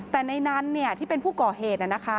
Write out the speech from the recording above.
แต่ในนั้นเนี่ยที่เป็นผู้ก่อเหตุนะคะ